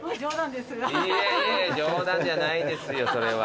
いえいえ冗談じゃないですよそれは。